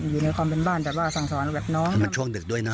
อยู่ในความเป็นบ้านแต่ว่าสั่งสอนแบบเนอะแล้วมันช่วงดึกด้วยนะ